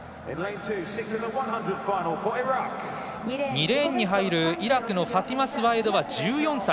２レーンに入るイラクのファティマ・スワエドは１４歳。